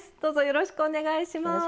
よろしくお願いします。